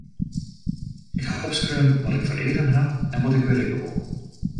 Ik haw opskreaun wat ik foar eagen haw en wat ik berikke wol.